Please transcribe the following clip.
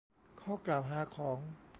ข้อกล่าวหาของ